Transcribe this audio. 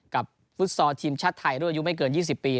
กับฟุตซอร์ทีมชาติไทยด้วยอายุไม่เกิน๒๐ปี